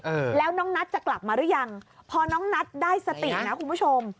เออแล้วน้องนัทจะกลับมาหรือยังพอน้องนัทได้สตินะคุณผู้ชม